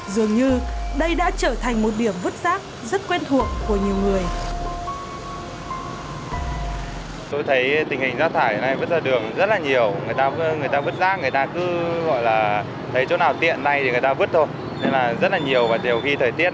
dường như đây đã trở thành một điểm vứt rác rất quen thuộc của nhiều người